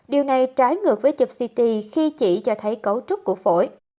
điều này trái ngược với chụp ct khi chỉ cho thấy cấu trúc của phổi